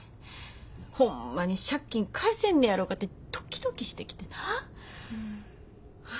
ホンマに借金返せんねやろかってドキドキしてきてな。